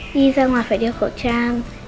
đi ra ngoài phải đeo khẩu trang